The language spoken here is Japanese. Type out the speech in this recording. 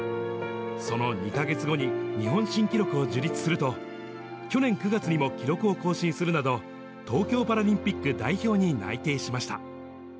その２か月後に日本新記録を樹立すると、去年９月にも記録を更新するなど、東京パラリンピック代表に内定しました。